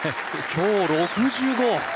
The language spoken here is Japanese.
今日６５。